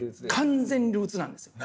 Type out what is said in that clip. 完全にルーツなんですよ。